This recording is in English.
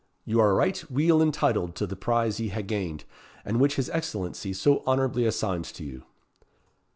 You are right weel entitled to the prize ye hae gained, and which his Excellency so honourably assigns to you."